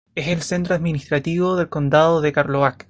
Es el centro administrativo del condado de Karlovac.